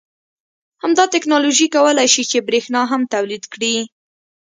همدا تکنالوژي کولای شي چې بریښنا هم تولید کړي